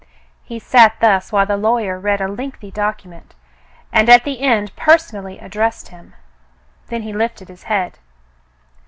He sat thus while the lawyer read a lengthy document, and at the end personally addressed him. Then he lifted his head.